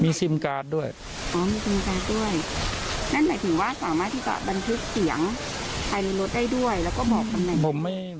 อ๋อมีซิมการ์ดด้วยนั่นหมายถึงว่าสามารถที่จะบันทึกเสียงไฮลีนอทได้ด้วยแล้วก็บอกคำไหน